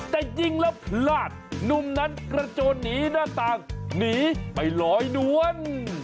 แต่ยิงแล้วพลาดหนุ่มนั้นกระโจนหนีหน้าต่างหนีไปลอยนวล